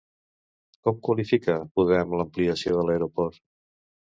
Com qualifica Podem l'ampliació de l'aeroport?